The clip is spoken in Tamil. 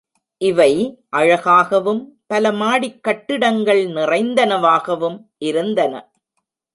இவை அழகாகவும் பல மாடிக் கட்டிடங்கள் நிறைந்தனவாகவும் இருந்தன.